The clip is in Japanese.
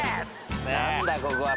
何だここは。